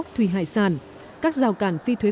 thủy hải sản các rào cản phi thuế